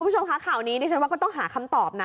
คุณผู้ชมคะข่าวนี้ดิฉันว่าก็ต้องหาคำตอบนะ